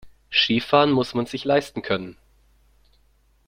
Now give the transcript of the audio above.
Skifahren muss man sich leisten können.